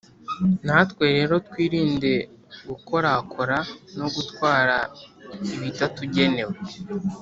na twe rero twirinde gukorakora no gutwara ibitatugenewe.